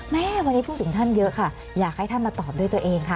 แม่วันนี้พูดถึงท่านเยอะค่ะอยากให้ท่านมาตอบด้วยตัวเองค่ะ